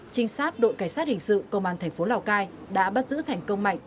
trinh sát đội cảnh sát hình sự công an tp lào cai đã bắt giữ thành công mạnh